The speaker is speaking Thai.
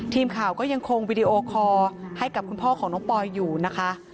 ทีมข่าวก็ยังคงวีดีโอคอร์ให้กับคุณพ่อของน้องปอยอยู่นะคะ